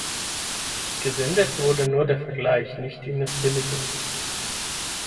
Gesendet wurde nur der Vergleich, nicht die Missbilligung.